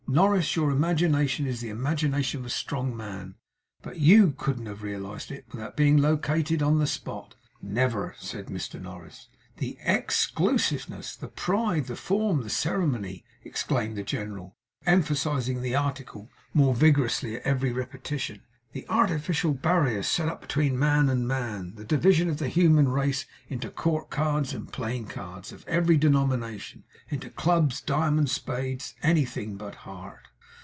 Norris, your imagination is the imagination of a strong man, but YOU couldn't have realised it, without being located on the spot!' 'Never,' said Mr Norris. 'The ex clusiveness, the pride, the form, the ceremony,' exclaimed the general, emphasizing the article more vigorously at every repetition. 'The artificial barriers set up between man and man; the division of the human race into court cards and plain cards, of every denomination into clubs, diamonds, spades anything but heart!